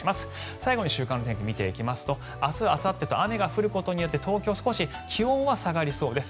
最後に週間天気を見ていきますと明日あさってと雨が降ることによって東京は少し気温は下がりそうです。